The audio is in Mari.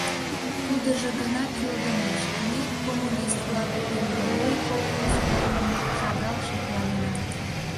Тудыжо гына кӱлдымаш: ме, коммунист-влак, «передовой» колхоз-влакым шагал шекланена.